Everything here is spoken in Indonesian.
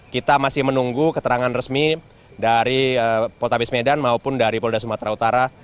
kita masih menunggu keterangan resmi dari polres tapis medan maupun dari polda sumatera utara